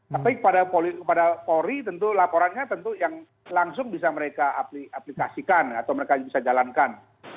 tapi kepada polri tentu laporannya tentu yang langsung bisa mereka aplikasikan atau mereka bisa jalankan